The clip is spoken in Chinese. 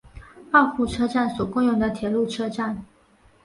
二户车站所共用的铁路车站。